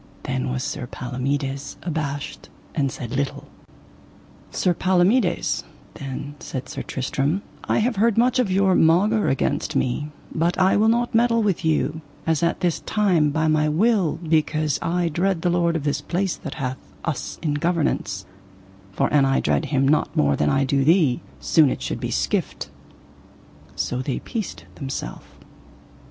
Then was Sir Palomides abashed and said little. Sir Palomides, then said Sir Tristram, I have heard much of your maugre against me, but I will not meddle with you as at this time by my will, because I dread the lord of this place that hath us in governance; for an I dread him not more than I do thee, soon it should be skift: so they peaced themself.